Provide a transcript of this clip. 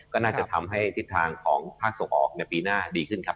ก็น่าจะทำให้ทิศทางของภาคส่งออกในปีหน้าดีขึ้นครับ